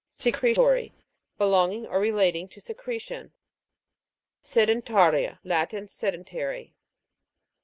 SECRE'TORY. Belonging or relating to secretion. SEDENTA'RIA. Latin. Sedentary.